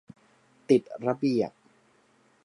ติดระเบียบ